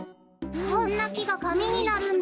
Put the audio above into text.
こんなきがかみになるんだ。